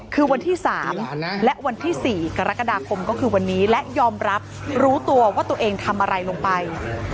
คือวันที่๓และวันที่๔กรกฎาคมก็คือวันนี้และยอมรับรู้ตัวว่าตัวเองทำอะไรลงไป